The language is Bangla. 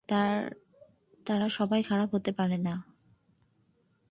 তারা সবাই খারাপ হতে পারে না!